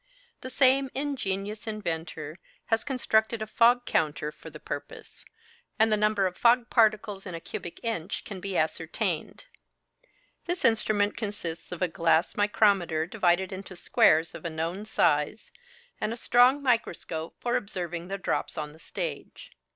The same ingenious inventor has constructed a fog counter for the purpose; and the number of fog particles in a cubic inch can be ascertained. This instrument consists of a glass micrometer divided into squares of a known size, and a strong microscope for observing the drops on the stage.